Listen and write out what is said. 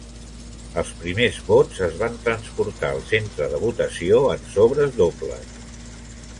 Els primers vots es van transportar al centre de votació en sobres dobles.